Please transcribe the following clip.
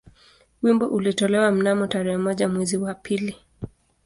Wimbo ulitolewa mnamo tarehe moja mwezi wa pili